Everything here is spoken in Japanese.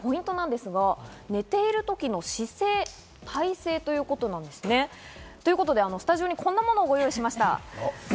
ポイントですが、寝ているときの姿勢、体勢ということなんですね。ということで、スタジオにこんなものを用意しました。